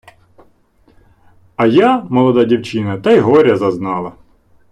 А я, молода дівчина, та й горя зазнала